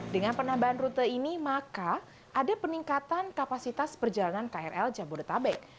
dengan penambahan rute ini maka ada peningkatan kapasitas perjalanan krl jabodetabek